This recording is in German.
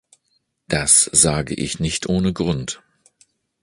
Das sage ich nicht ohne Grund.